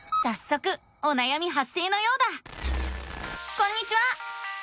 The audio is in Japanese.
こんにちは！